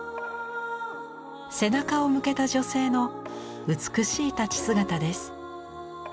背中を向けた女性の美しい立ち姿です。